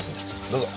どうぞ。